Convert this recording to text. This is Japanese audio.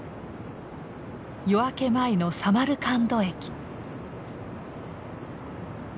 夜明け前のサマルカンド駅。